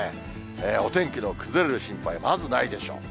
お天気の崩れる心配、まずないでしょう。